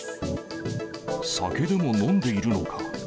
酒でも飲んでいるのか。